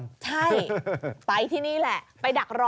ใช่ไปที่นี่แหละไปดักรอ